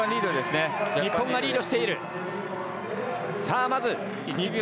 日本がリードしている。